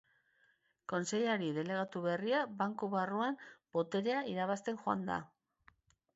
Kontseilari delegatu berria banku barruan boterea irabazten joan da.